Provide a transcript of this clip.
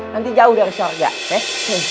nanti jauh dari shorga eh